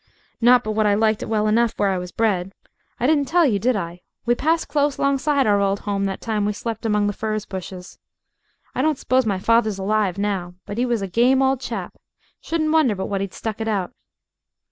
Not but what I liked it well enough where I was bred. I didn't tell you, did I, we passed close longside our old 'ome that time we slep' among the furze bushes? I don't s'pose my father's alive now. But 'e was a game old chap shouldn't wonder but what he'd stuck it out."